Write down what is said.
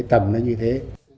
tầm nó như thế